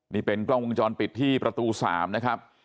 นี่เป็นกล้องวงจรปิดที่ประตู๓นะครับ